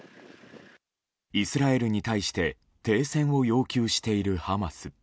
イスラエルに対して停戦を要求しているハマス。